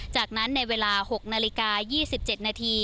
จากนั้นในเวลา๖นาฬิกา๒๗นาที